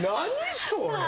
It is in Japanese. それ。